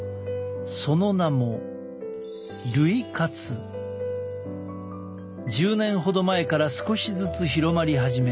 その名も１０年ほど前から少しずつ広まり始め